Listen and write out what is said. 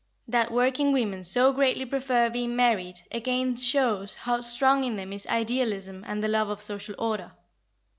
That working women so greatly prefer being married, again shows how strong in them is idealism and the love of social order.